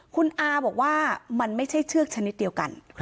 คุณอาบอกว่ามันไม่ใช่เชือกชนิดเดียวกัน